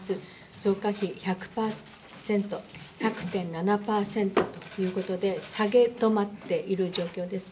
増加比１００％、１００．７％ということで、下げ止まっている状況です。